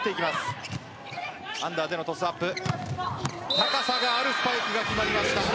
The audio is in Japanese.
高さがあるスパイクが決まりました。